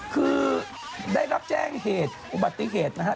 คือได้รับแจ้งเหตุบรรดิเหตุนะฮะ